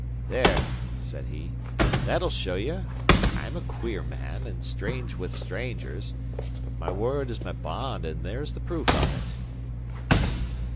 "There," said he, "that'll show you! I'm a queer man, and strange wi' strangers; but my word is my bond, and there's the proof of it."